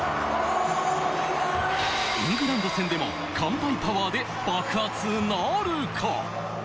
イングランド戦でも乾杯パワーで爆発なるか？